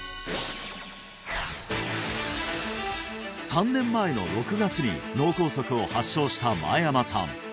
３年前の６月に脳梗塞を発症した前山さん